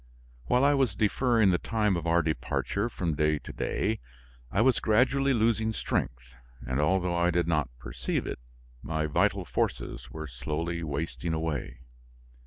While I was deferring the time of our departure from day to day, I was gradually losing strength, and, although I did not perceive it, my vital forces were slowly wasting away.